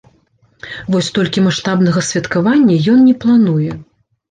Вось толькі маштабнага святкавання ён не плануе.